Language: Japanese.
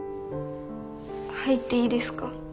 入っていいですか？